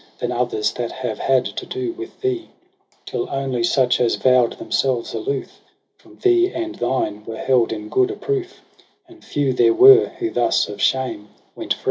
Than others that have had to do with thee : Till only such as voVd themselves aloof From thee and thine were held in good aproof ; And few there were, who thus of shame went free.